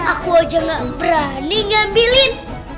aku aja gak berani ngambilin